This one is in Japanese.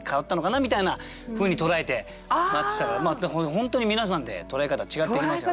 本当に皆さんで捉え方違ってきますよね。